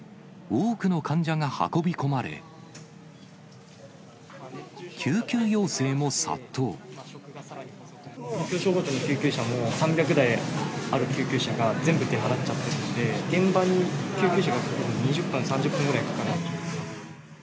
多くの患者が運び込まれ、東京消防庁の救急車も、３００台ある救急車が、全部出はらちゃってて、現場に救急車が着くのに２０分、３０分ぐ